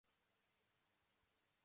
佩内洛普对此毫不上心。